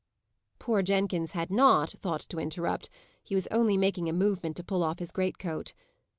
Poor Jenkins had not thought to interrupt; he was only making a movement to pull off his great coat.